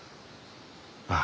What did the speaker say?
ああ。